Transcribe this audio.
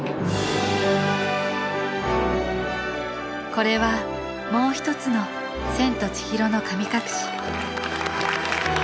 これはもうひとつの「千と千尋の神隠し」